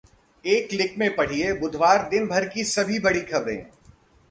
एक क्लिक में पढ़िए बुधवार दिन भर की सभी बड़ी खबरें